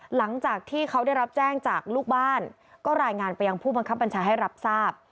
หลังจากที่เขาได้รับแจ้งจากลูกบ้านก็รายงานไปยังผู้บังคับบัญชาให้รับทราบ